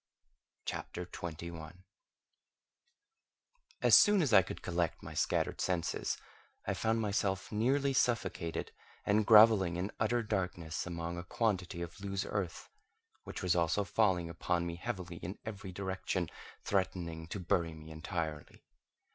CHAPTER 21 As soon as I could collect my scattered senses, I found myself nearly suffocated, and grovelling in utter darkness among a quantity of loose earth, which was also falling upon me heavily in every direction, threatening to bury me entirely.